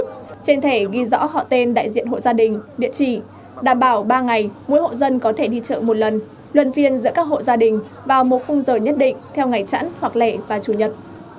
trên thẻ ghi rõ họ tên đại diện hộ gia đình địa chỉ đảm bảo ba ngày mỗi hộ dân có thể đi chợ một lần luân phiên giữa các hộ gia đình vào một khung giờ nhất định theo ngày chẵn hoặc lẻ và chủ nhật